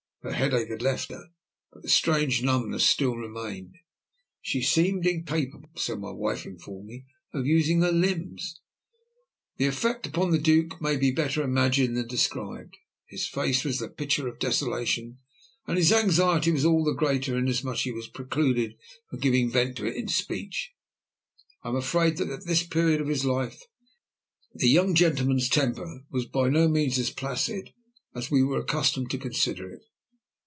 Her headache had left her, but the strange numbness still remained. She seemed incapable, so my wife informed me, of using her limbs. The effect upon the Duke may be better imagined than described. His face was the picture of desolation, and his anxiety was all the greater inasmuch as he was precluded from giving vent to it in speech. I am afraid that, at this period of his life, the young gentleman's temper was by no means as placid as we were accustomed to consider it.